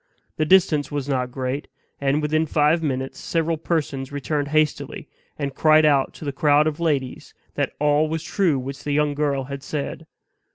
The distance was not great; and within five minutes several persons returned hastily, and cried out to the crowd of ladies that all was true which the young girl had said.